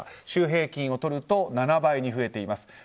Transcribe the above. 週平均をとると７倍に増えています。